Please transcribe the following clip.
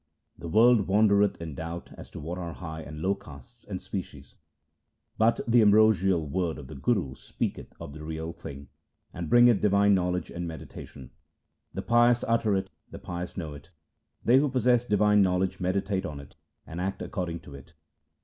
The world wandereth in doubt as to what are high and low castes and species ; But the ambrosial word of the Guru speaketh of the Real Thing, and bringeth divine knowledge and meditation ; The pious utter it, the pious know it ; they who possess divine knowledge meditate on it, and act according to it.